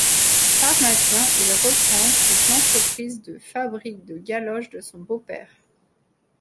Pharmacien, il reprend ensuite l'entreprise de fabrique de galoches de son beau-père.